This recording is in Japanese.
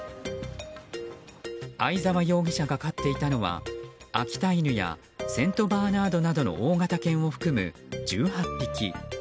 相沢容疑者が飼っていたのは秋田犬やセントバーナードなどの大型犬を含む１８匹。